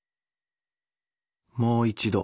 もう一度。